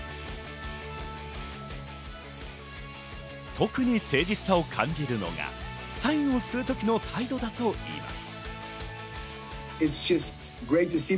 特に誠実さを感じるのがサインをするときの態度だといいます。